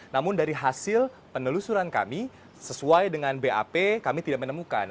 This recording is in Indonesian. namun dari hasil penelusuran kami sesuai dengan bap kami tidak menemukan